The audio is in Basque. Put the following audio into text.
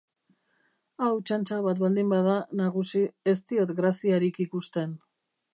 Hau txantxa bat baldin bada, nagusi, ez diot graziarik ikusten.